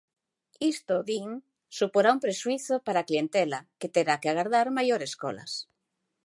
Isto, din, suporá un prexuízo para a clientela, que terá que agardar maiores colas.